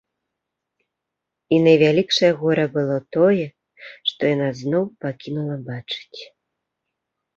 І найвялікшае гора было тое, што яна зноў пакінула бачыць.